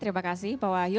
terima kasih pak wahyu